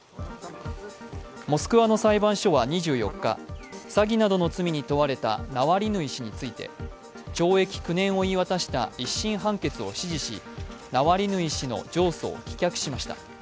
モスクワの裁判所は２４日、詐欺などの罪に問われたナワリヌイ氏について懲役９年を言い渡した一審判決を支持し、ナワリヌイ氏の上訴を棄却しました。